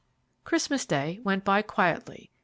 Christmas Day went by quietly.